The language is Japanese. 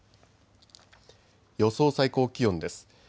予想最高気温です。